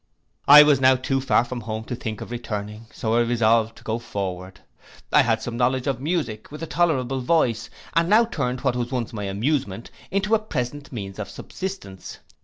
'I was now too far from home to think of returning; so I resolved to go forward. I had some knowledge of music, with a tolerable voice, and now turned what was once my amusement into a present means of subsistence.